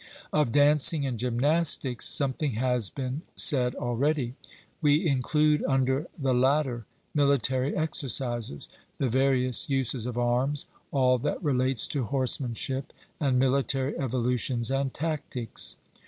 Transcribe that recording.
Of dancing and gymnastics something has been said already. We include under the latter military exercises, the various uses of arms, all that relates to horsemanship, and military evolutions and tactics.